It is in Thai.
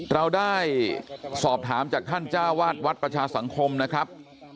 เราได้สอบถามจากท่านจ้าวาดวัดประชาสังคมนะครับ